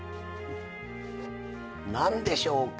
何でしょうか？